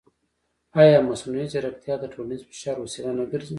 ایا مصنوعي ځیرکتیا د ټولنیز فشار وسیله نه ګرځي؟